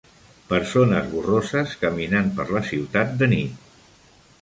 Persones borroses caminant per la ciutat de nit.